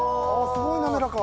すごいなめらか。